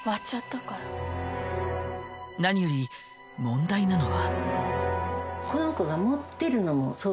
何より問題なのは。